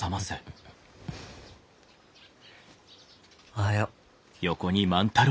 ・おはよう。